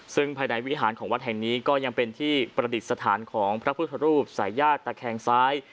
ซึ่งภายในวิหารของวัดแห่งนี้ก็ยังเป็นที่ประดิษฐานของพระพุทธรูปสายญาติตะแคงซ้าย